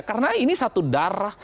karena ini satu darah